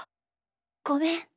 ごめん。